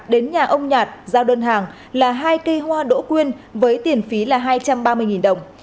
đến nhà ông nhạt giao đơn hàng là hai cây hoa đỗ quyên với tiền phí là hai trăm ba mươi đồng